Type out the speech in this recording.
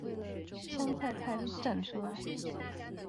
香菜派的站出來